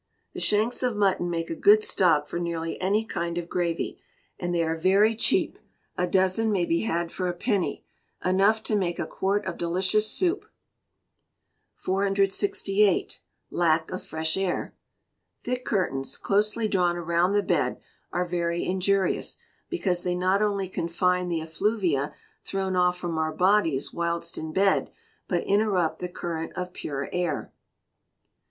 The shanks of mutton make a good stock for nearly any kind of gravy, and they are very cheap a dozen may be had for a penny, enough to make a quart of delicious soup. 468. Lack of Fresh Air. Thick curtains, closely drawn around the bed, are very injurious, because they not only confine the effluvia thrown off from our bodies whilst in bed, but interrupt the current of pure air. 469. Regular Accounting.